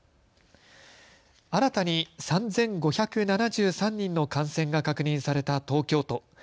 新たに３５７３人の感染が確認された東京都。